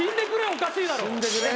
おかしいだろ。